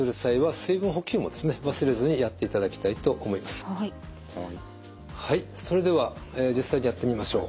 かねませんからはいそれでは実際にやってみましょう。